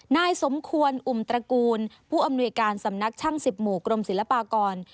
นายสมควรอุ่มตระกูลผู้อำนวยการสำนักช่าง๑๐หมู่กรมศิลปากร